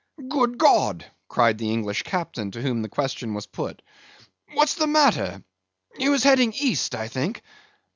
"Good God!" cried the English Captain, to whom the question was put. "What's the matter? He was heading east, I think.